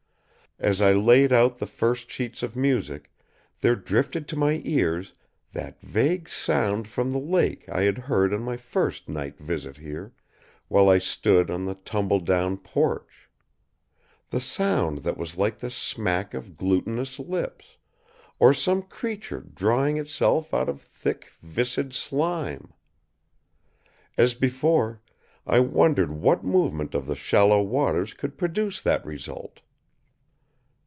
As I laid out the first sheets of music, there drifted to my ears that vague sound from the lake I had heard on my first night visit here, while I stood on the tumble down porch. The sound that was like the smack of glutinous lips, or some creature drawing itself out of thick, viscid slime. As before, I wondered what movement of the shallow waters could produce that result.